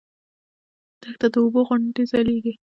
دښته د اوبو غوندې ځلېدله.